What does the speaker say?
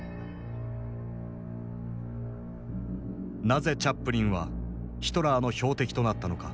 なぜチャップリンはヒトラーの標的となったのか。